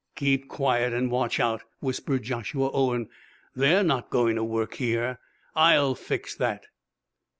"Keep quiet and watch out," whispered Joshua Owen. "They're not going to work here. I'll fix that!"